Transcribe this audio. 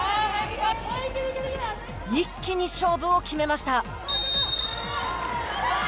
一気に勝負を決めました。